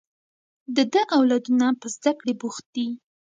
د ده اولادونه په زده کړې بوخت دي